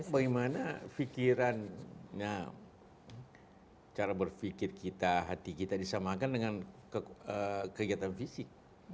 bagaimana pikirannya cara berpikir kita hati kita disamakan dengan kegiatan fisik